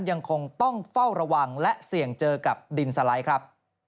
ยังคงต้องเฝ้าระวังและเสี่ยงเจอกับดินสไลด์ครับ